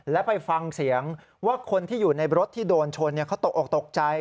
และไปฟังเสียงว่าคนที่อยู่ในรถที่โดนชนเขาตกออกตกใจ